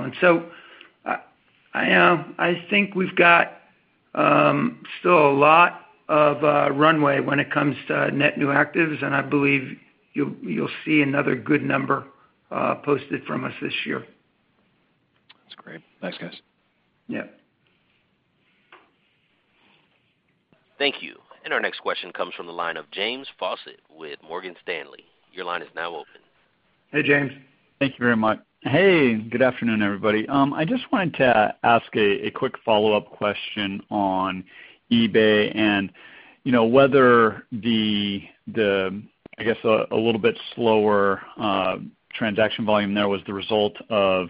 I think we've got still a lot of runway when it comes to net new actives, and I believe you'll see another good number posted from us this year. That's great. Thanks, guys. Yeah. Thank you. Our next question comes from the line of James Faucette with Morgan Stanley. Your line is now open. Hey, James. Thank you very much. Hey, good afternoon, everybody. I just wanted to ask a quick follow-up question on eBay and whether the, I guess, a little bit slower transaction volume there was the result of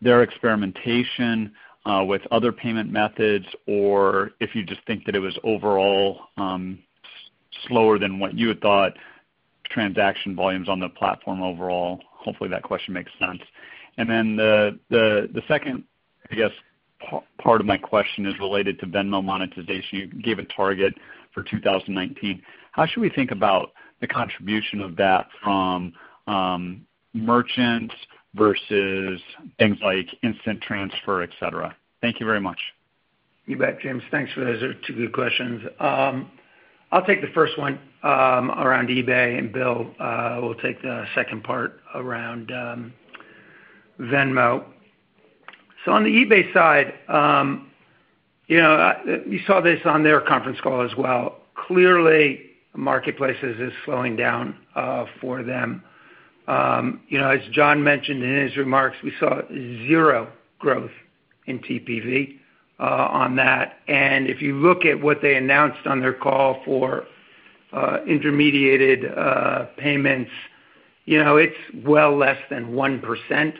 their experimentation with other payment methods, or if you just think that it was overall slower than what you had thought transaction volume is on the platform overall. Hopefully that question makes sense. The second, I guess, part of my question is related to Venmo monetization. You gave a target for 2019. How should we think about the contribution of that from merchants versus things like instant transfer, et cetera? Thank you very much. You bet, James. Thanks for those two good questions. I'll take the first one around eBay, and Bill will take the second part around Venmo. On the eBay side, you saw this on their conference call as well. Clearly, marketplaces is slowing down for them. As John mentioned in his remarks, we saw zero growth in TPV on that. If you look at what they announced on their call for intermediated payments, it's well less than 1%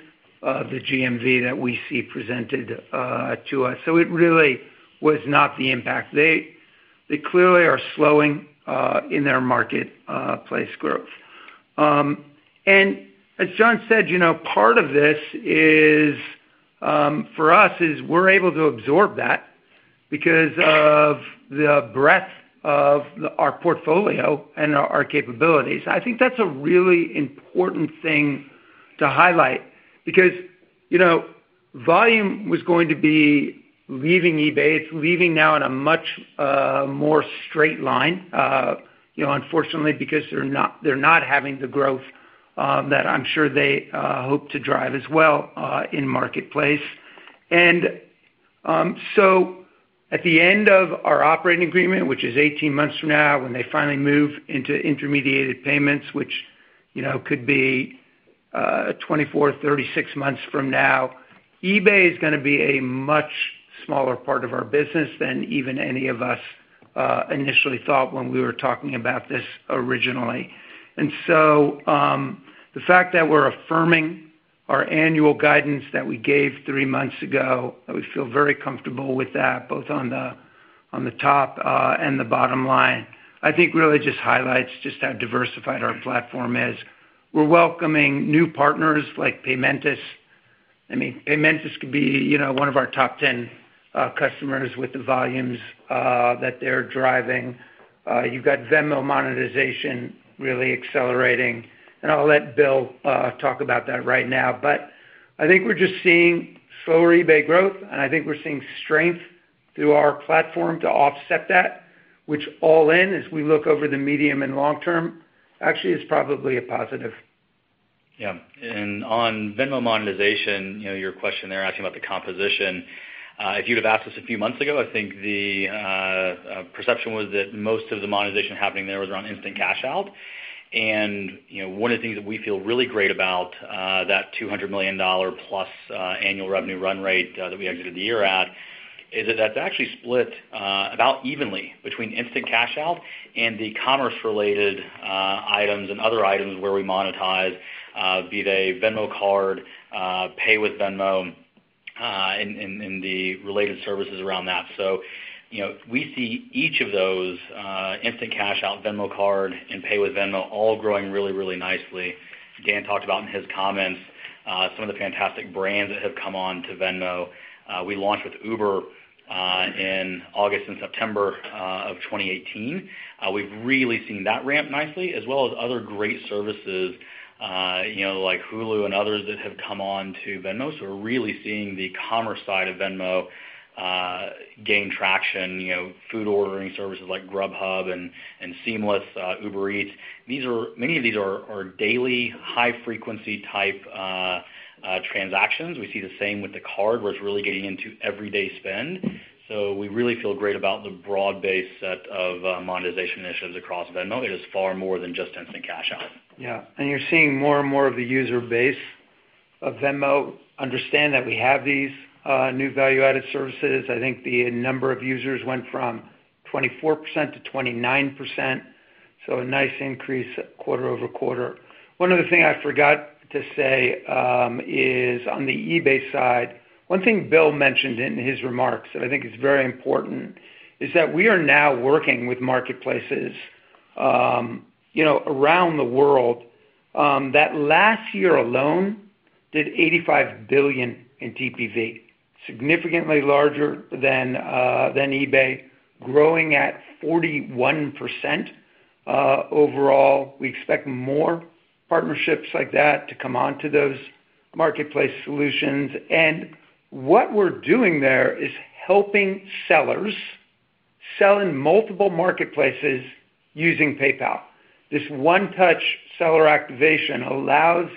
of the GMV that we see presented to us. It really was not the impact. They clearly are slowing in their marketplace growth. As John said, part of this for us is we're able to absorb that because of the breadth of our portfolio and our capabilities. I think that's a really important thing to highlight because volume was going to be leaving eBay. It's leaving now in a much more straight line, unfortunately, because they're not having the growth that I'm sure they hope to drive as well in marketplace. At the end of our operating agreement, which is 18 months from now, when they finally move into intermediated payments, which could be 24-36 months from now, eBay is going to be a much smaller part of our business than even any of us initially thought when we were talking about this originally. The fact that we're affirming our annual guidance that we gave three months ago, that we feel very comfortable with that, both on the top and the bottom line, I think really just highlights just how diversified our platform is. We're welcoming new partners like Paymentus. I mean, Paymentus could be one of our top 10 customers with the volumes that they're driving. You've got Venmo monetization really accelerating, and I'll let Bill talk about that right now. I think we're just seeing slower eBay growth, and I think we're seeing strength through our platform to offset that, which all in, as we look over the medium and long term, actually is probably a positive. Yeah. On Venmo monetization, your question there asking about the composition. If you'd have asked us a few months ago, I think the perception was that most of the monetization happening there was around Instant Cash Out. One of the things that we feel really great about that $200 million+ annual revenue run rate that we exited the year at is that that's actually split about evenly between Instant Cash Out and the commerce-related items and other items where we monetize, be they Venmo Card, Pay with Venmo, and the related services around that. We see each of those, Instant Cash Out, Venmo Card, and Pay with Venmo all growing really nicely. Dan talked about in his comments some of the fantastic brands that have come on to Venmo. We launched with Uber in August and September of 2018. We've really seen that ramp nicely, as well as other great services like Hulu and others that have come on to Venmo. We're really seeing the commerce side of Venmo gain traction. Food ordering services like Grubhub and Seamless, Uber Eats. Many of these are daily, high-frequency type transactions. We see the same with the card, where it's really getting into everyday spend. We really feel great about the broad-based set of monetization initiatives across Venmo. It is far more than just Instant Cash Out. Yeah. You're seeing more and more of the user base of Venmo understand that we have these new value-added services. I think the number of users went from 24%-29%, a nice increase quarter-over-quarter. One other thing I forgot to say is on the eBay side, one thing Bill mentioned in his remarks that I think is very important is that we are now working with marketplaces around the world that last year alone Did $85 billion in TPV, significantly larger than eBay, growing at 41% overall. We expect more partnerships like that to come onto those marketplace solutions. What we're doing there is helping sellers sell in multiple marketplaces using PayPal. This One Touch Seller Sign-Up allows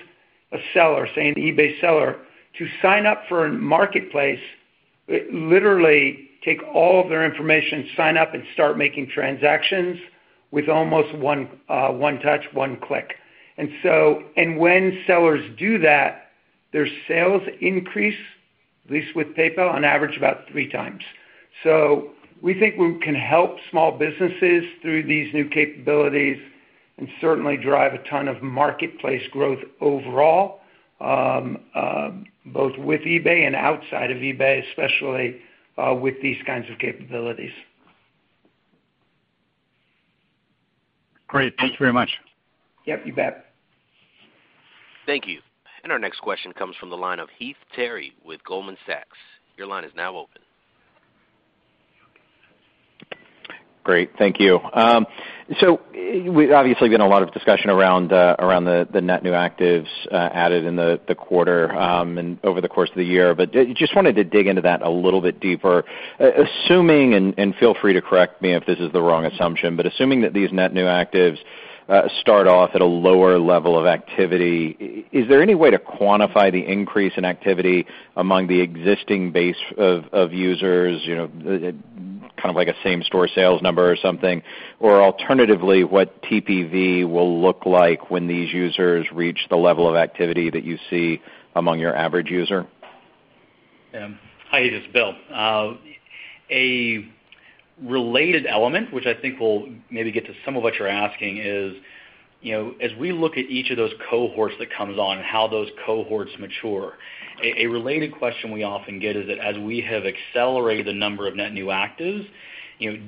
a seller, say an eBay seller, to sign up for a marketplace, literally take all of their information, sign up and start making transactions with almost One Touch, one click. When sellers do that, their sales increase, at least with PayPal, on average about three times. We think we can help small businesses through these new capabilities and certainly drive a ton of marketplace growth overall, both with eBay and outside of eBay, especially with these kinds of capabilities. Great. Thank you very much. Yep, you bet. Thank you. Our next question comes from the line of Heath Terry with Goldman Sachs. Your line is now open. Great. Thank you. Obviously, been a lot of discussion around the net new actives added in the quarter and over the course of the year, but just wanted to dig into that a little bit deeper. Assuming, and feel free to correct me if this is the wrong assumption, but assuming that these net new actives start off at a lower level of activity, is there any way to quantify the increase in activity among the existing base of users, kind of like a same store sales number or something? Alternatively, what TPV will look like when these users reach the level of activity that you see among your average user? Yeah. Hi, this is Bill. A related element, which I think will maybe get to some of what you're asking is, as we look at each of those cohorts that comes on and how those cohorts mature, a related question we often get is that as we have accelerated the number of net new actives,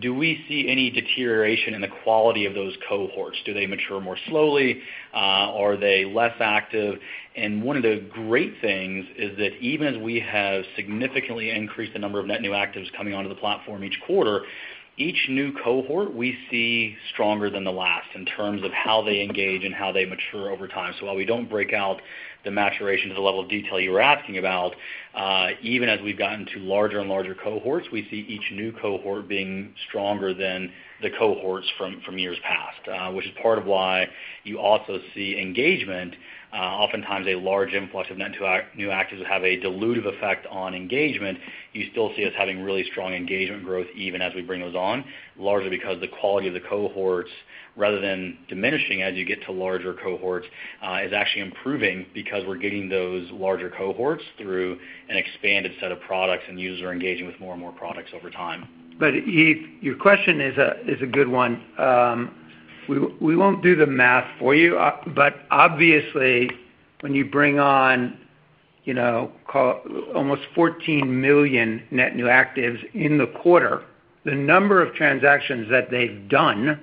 do we see any deterioration in the quality of those cohorts? Do they mature more slowly? Are they less active? One of the great things is that even as we have significantly increased the number of net new actives coming onto the platform each quarter, each new cohort we see stronger than the last in terms of how they engage and how they mature over time. While we don't break out the maturation to the level of detail you were asking about, even as we've gotten to larger and larger cohorts, we see each new cohort being stronger than the cohorts from years past. Which is part of why you also see engagement. Oftentimes a large influx of net new actives have a dilutive effect on engagement. You still see us having really strong engagement growth even as we bring those on, largely because the quality of the cohorts, rather than diminishing as you get to larger cohorts, is actually improving because we're getting those larger cohorts through an expanded set of products, and users are engaging with more and more products over time. Heath, your question is a good one. We won't do the math for you. Obviously, when you bring on almost 14 million net new actives in the quarter, the number of transactions that they've done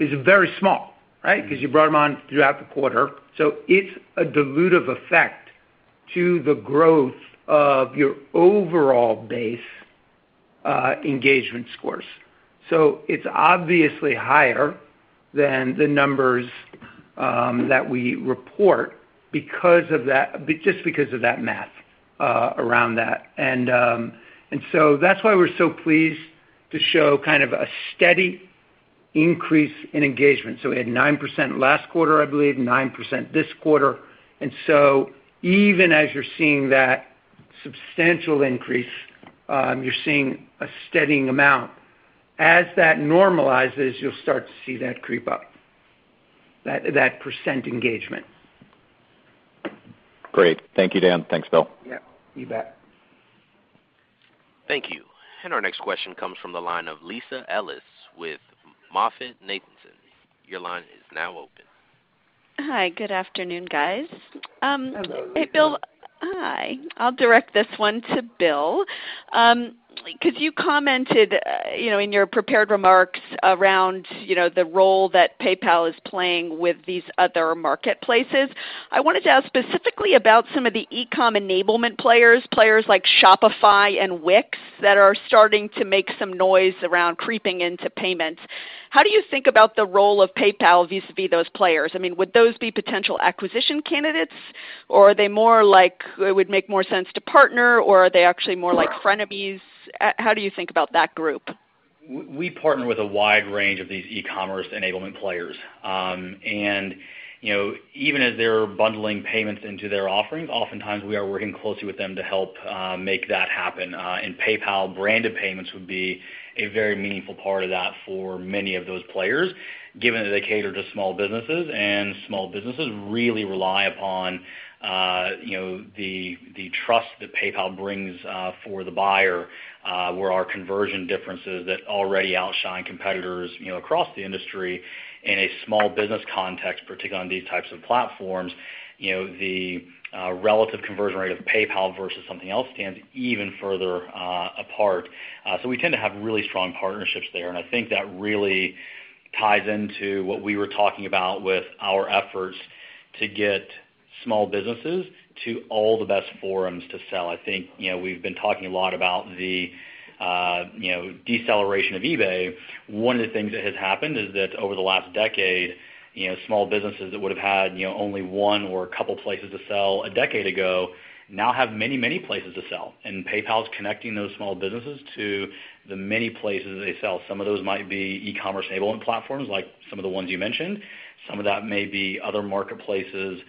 is very small, right? Because you brought them on throughout the quarter. It's a dilutive effect to the growth of your overall base engagement scores. It's obviously higher than the numbers that we report just because of that math around that. That's why we're so pleased to show a steady increase in engagement. We had 9% last quarter, I believe, 9% this quarter. Even as you're seeing that substantial increase, you're seeing a steadying amount. As that normalizes, you'll start to see that creep up, that percent engagement. Great. Thank you, Dan. Thanks, Bill. Yeah, you bet. Thank you. Our next question comes from the line of Lisa Ellis with MoffettNathanson. Your line is now open. Hi. Good afternoon, guys. Hey, Bill. Hi. I'll direct this one to Bill. Because you commented in your prepared remarks around the role that PayPal is playing with these other marketplaces. I wanted to ask specifically about some of the e-com enablement players like Shopify and Wix, that are starting to make some noise around creeping into payments. How do you think about the role of PayPal vis-à-vis those players? Would those be potential acquisition candidates, or are they more like it would make more sense to partner, or are they actually more like frenemies? How do you think about that group? We partner with a wide range of these e-commerce enablement players. Even as they're bundling payments into their offerings, oftentimes we are working closely with them to help make that happen. PayPal branded payments would be a very meaningful part of that for many of those players, given that they cater to small businesses, and small businesses really rely upon the trust that PayPal brings for the buyer, where our conversion differences that already outshine competitors across the industry in a small business context, particularly on these types of platforms, the relative conversion rate of PayPal versus something else stands even further apart. We tend to have really strong partnerships there, and I think that really ties into what we were talking about with our efforts to get small businesses to all the best forums to sell. I think we've been talking a lot about the deceleration of eBay. One of the things that has happened is that over the last decade, small businesses that would have had only one or a couple of places to sell a decade ago now have many places to sell. PayPal is connecting those small businesses to the many places they sell. Some of those might be e-commerce enablement platforms, like some of the ones you mentioned. Some of that may be other marketplaces,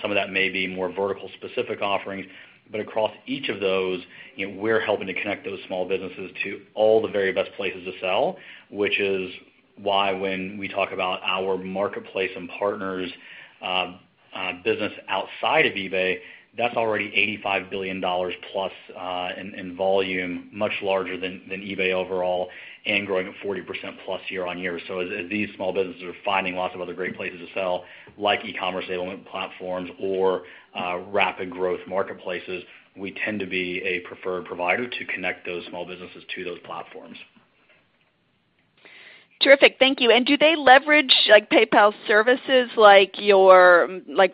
some of that may be more vertical specific offerings. Across each of those, we're helping to connect those small businesses to all the very best places to sell, which is why when we talk about our marketplace and partners business outside of eBay, that's already $85 billion+ in volume, much larger than eBay overall, and growing at 40%+ year-over-year. As these small businesses are finding lots of other great places to sell, like e-commerce enablement platforms or rapid growth marketplaces, we tend to be a preferred provider to connect those small businesses to those platforms. Terrific. Thank you. Do they leverage PayPal services like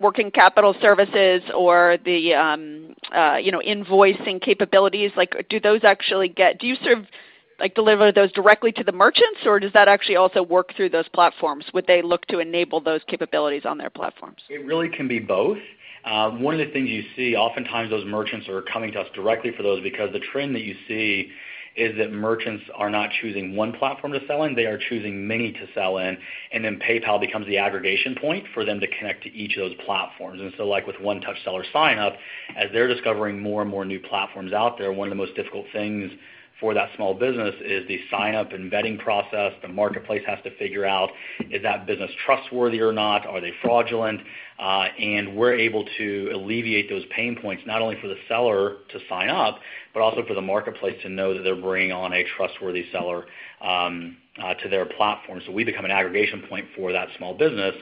working capital services or the invoicing capabilities? Do you deliver those directly to the merchants, or does that actually also work through those platforms? Would they look to enable those capabilities on their platforms? It really can be both. One of the things you see, oftentimes those merchants are coming to us directly for those because the trend that you see is that merchants are not choosing one platform to sell in, they are choosing many to sell in, then PayPal becomes the aggregation point for them to connect to each of those platforms. Like with One Touch Seller Sign-Up, as they're discovering more and more new platforms out there, one of the most difficult things for that small business is the sign-up and vetting process. The marketplace has to figure out, is that business trustworthy or not? Are they fraudulent? We're able to alleviate those pain points, not only for the seller to sign up, but also for the marketplace to know that they're bringing on a trustworthy seller to their platform. We become an aggregation point for that small business,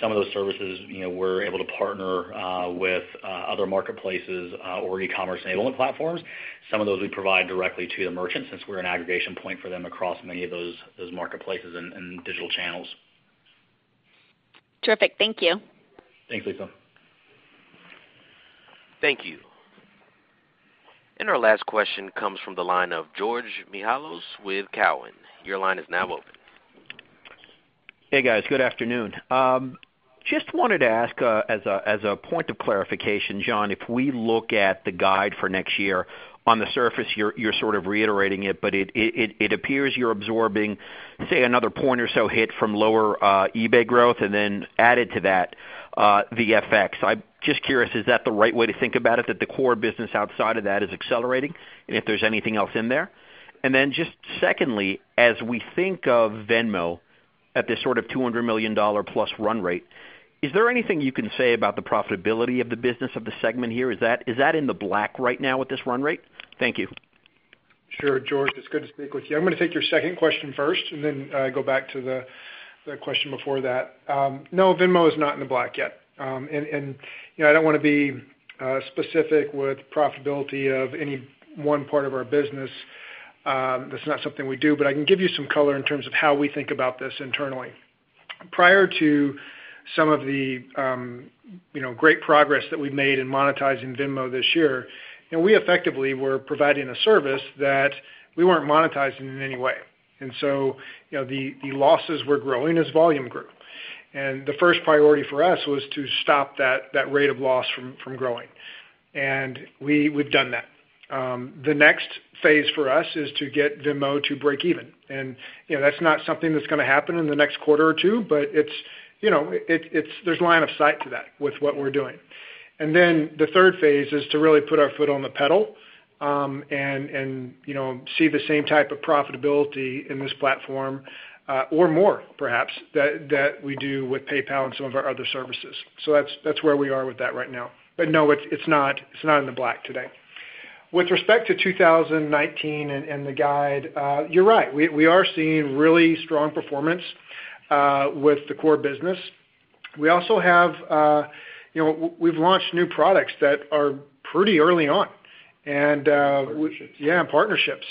some of those services we're able to partner with other marketplaces or e-commerce enablement platforms. Some of those we provide directly to the merchants since we're an aggregation point for them across many of those marketplaces and digital channels. Terrific. Thank you. Thanks, Lisa. Thank you. Our last question comes from the line of George Mihalos with Cowen. Your line is now open. Hey, guys. Good afternoon. Just wanted to ask as a point of clarification, John, if we look at the guide for next year, on the surface, you're sort of reiterating it, but it appears you're absorbing, say, another point or so hit from lower eBay growth then added to that the FX. I'm just curious, is that the right way to think about it, that the core business outside of that is accelerating, if there's anything else in there? Secondly, as we think of Venmo at this sort of $200 million+ run rate, is there anything you can say about the profitability of the business of the segment here? Is that in the black right now with this run rate? Thank you. Sure, George. It's good to speak with you. I'm going to take your second question first go back to the question before that. No, Venmo is not in the black yet. I don't want to be specific with profitability of any one part of our business. That's not something we do, but I can give you some color in terms of how we think about this internally. Prior to some of the great progress that we've made in monetizing Venmo this year, we effectively were providing a service that we weren't monetizing in any way. So the losses were growing as volume grew. The first priority for us was to stop that rate of loss from growing. We've done that. The next phase for us is to get Venmo to break even. That's not something that's going to happen in the next quarter or two, but there's line of sight to that with what we're doing. The third phase is to really put our foot on the pedal, see the same type of profitability in this platform, or more perhaps, that we do with PayPal and some of our other services. That's where we are with that right now. No, it's not in the black today. With respect to 2019 and the guide, you're right. We are seeing really strong performance with the core business. We've launched new products that are pretty early on. Partnerships. Yeah, partnerships.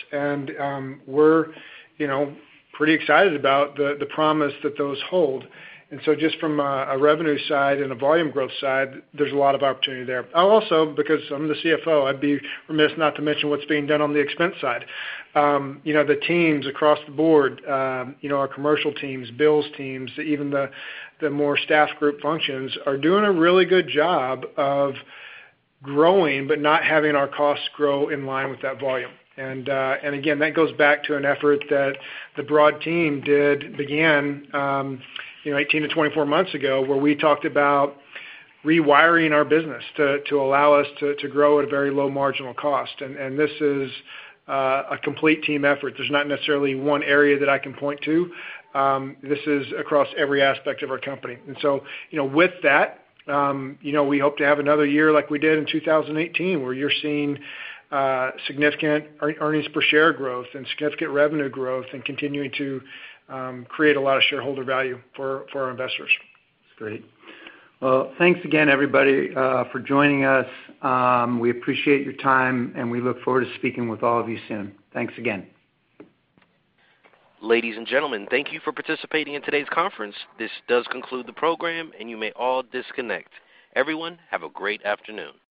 We're pretty excited about the promise that those hold. Just from a revenue side and a volume growth side, there's a lot of opportunity there. Also, because I'm the CFO, I'd be remiss not to mention what's being done on the expense side. The teams across the board, our commercial teams, Bill's teams, even the more staff group functions are doing a really good job of growing, but not having our costs grow in line with that volume. Again, that goes back to an effort that the broad team did begin 18-24 months ago, where we talked about rewiring our business to allow us to grow at a very low marginal cost. This is a complete team effort. There's not necessarily one area that I can point to. This is across every aspect of our company. With that, we hope to have another year like we did in 2018, where you're seeing significant earnings per share growth and significant revenue growth and continuing to create a lot of shareholder value for our investors. That's great. Well, thanks again, everybody, for joining us. We appreciate your time, and we look forward to speaking with all of you soon. Thanks again. Ladies and gentlemen, thank you for participating in today's conference. This does conclude the program, and you may all disconnect. Everyone, have a great afternoon.